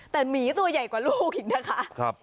แต่หมีตัวใหญ่กว่าลูกอีกนะคะ